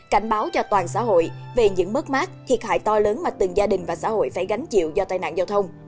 cảnh báo cho toàn xã hội về những mất mát thiệt hại to lớn mà từng gia đình và xã hội phải gánh chịu do tai nạn giao thông